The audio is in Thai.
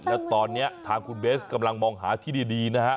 แล้วตอนนี้ทางคุณเบสกำลังมองหาที่ดีนะฮะ